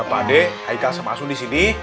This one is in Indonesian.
pak deng haikal sama asun disini